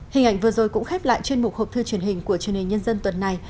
hình ảnh vừa rồi cũng khép lại chuyên mục hộp thư truyền hình của truyền hình nhân dân tuần này